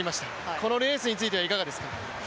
このレースについてはいかがですか。